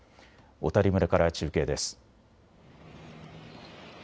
小谷村から中継です。